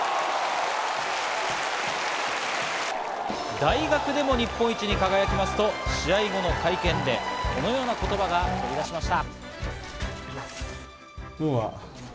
大学でも日本一に輝きますと、試合後の会見でこのような言葉が飛び出しました。